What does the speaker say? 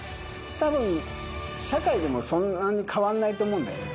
たぶん、社会でもそんなに変わんないと思うんだよね。